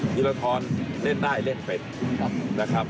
ทีมกรรทอนเล่นได้เล่นเป็น